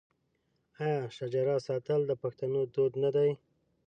آیا شجره ساتل د پښتنو دود نه دی؟